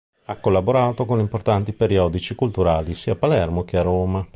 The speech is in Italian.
Ha collaborato con importanti periodici culturali sia a Palermo che a Roma.